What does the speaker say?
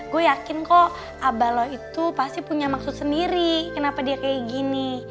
gue yakin kok abalo itu pasti punya maksud sendiri kenapa dia kayak gini